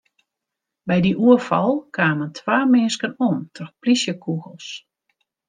By dy oerfal kamen twa minsken om troch plysjekûgels.